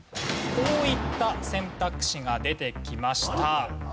こういった選択肢が出てきました。